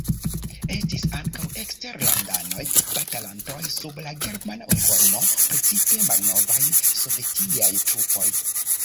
Estis ankaŭ eksterlandanoj batalantaj sub la germana uniformo, precipe malnovaj sovetiaj trupoj.